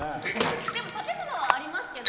でも建物はありますけど。